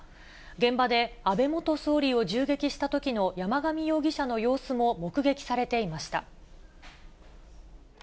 現場で安倍元総理を銃撃したときの山上容疑者の様子も目撃されていました。